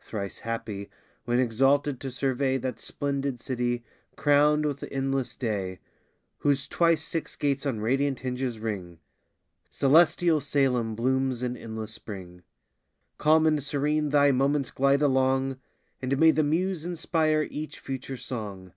Thrice happy, when exalted to survey That splendid city, crown'd with endless day, Whose twice six gates on radiant hinges ring: Celestial Salem blooms in endless spring. Calm and serene thy moments glide along, And may the muse inspire each future song!